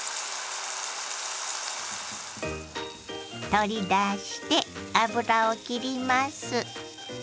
取り出して油をきります。